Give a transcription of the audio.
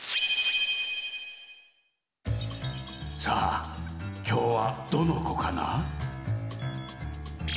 さあきょうはどのこかな？